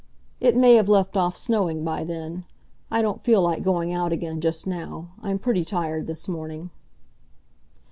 It may have left off snowing by then. I don't feel like going out again just now. I'm pretty tired this morning."